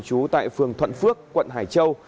trú tại phường thuận phước quận hải châu